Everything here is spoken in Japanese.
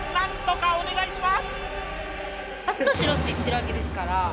カットしろって言ってるわけですから。